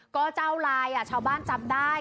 ก็เจ้าลายชาวบ้านจำได้